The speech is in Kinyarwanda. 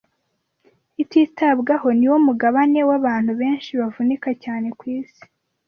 ititabwaho ni wo mugabane w’abantu benshi bavunika cyane ku isi